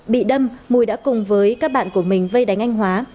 bị đâm mùi đã cùng với các bạn của mình vây đánh anh hóa